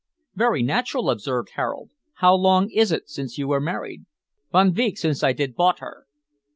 "Very natural," observed Harold. "How long is it since you were married?" "Von veek since I did bought her."